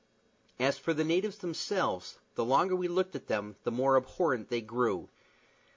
As for the natives themselves, the longer we looked at them the more abhorrent they grew.